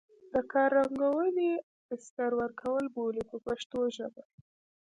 دا کار رنګوونکي استر ورکول بولي په پښتو ژبه.